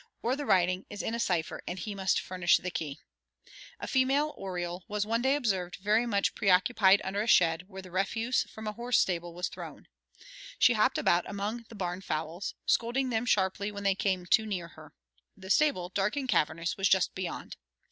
Or the writing is in cipher and he must furnish the key. A female oriole was one day observed very much preoccupied under a shed where the refuse from the horse stable was thrown. She hopped about among the barn fowls, scolding them sharply when they came too near her. The stable, dark and cavernous, was just beyond.